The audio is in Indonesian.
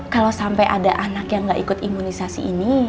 kalau sampai ada anak yang tidak ikut imunisasi ini